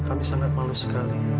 kami sangat malu sekali